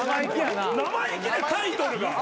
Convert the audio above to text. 生意気だよタイトルが。